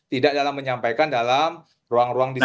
tidak dalam menyampaikan dalam ruang ruang diskusi